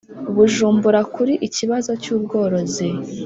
Bujumbura kuri ikibazo cy ubworozi